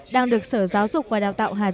đang được sở giáo dục và đào tạo hà giang